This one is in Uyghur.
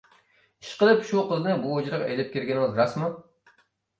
ئىشقىلىپ شۇ قىزنى بۇ ھۇجرىغا ئېلىپ كىرگىنىڭىز راستمۇ؟